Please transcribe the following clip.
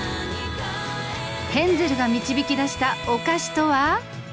ヘンゼルが導き出したお菓子とは？